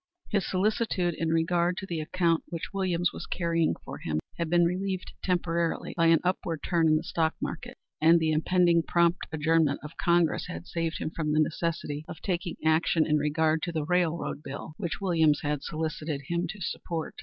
His solicitude in regard to the account which Williams was carrying for him had been relieved temporarily by an upward turn in the stock market, and the impending prompt adjournment of Congress had saved him from the necessity of taking action in regard to the railroad bill which Williams had solicited him to support.